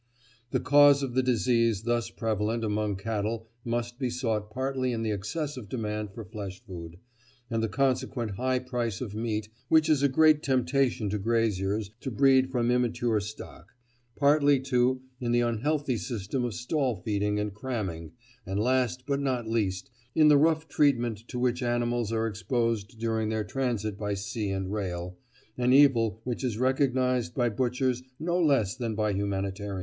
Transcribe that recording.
The cause of the disease thus prevalent among cattle must be sought partly in the excessive demand for flesh food, and the consequent high price of meat, which is a great temptation to graziers to breed from immature stock; partly, too, in the unhealthy system of stall feeding and cramming, and last, but not least, in the rough treatment to which animals are exposed during their transit by sea and rail—an evil which is recognised by butchers no less than by humanitarians.